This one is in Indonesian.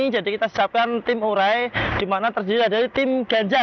jadi kita siapkan tim urai di mana terdiri dari tim ganjal